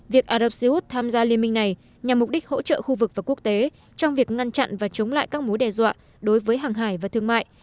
việc ả rập xê út tham gia liên minh này nhằm mục đích hỗ trợ khu vực và quốc tế trong việc ngăn chặn và chống lại các mối đe dọa đối với hàng hải và thương mại